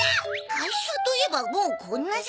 会社といえばもうこんな時間。